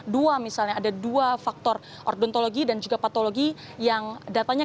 dua misalnya ada dua faktor ordontologi dan juga patologi yang datanya